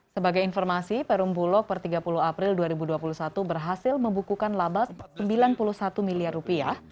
sebagai informasi perum bulog per tiga puluh april dua ribu dua puluh satu berhasil membukukan laba sembilan puluh satu miliar rupiah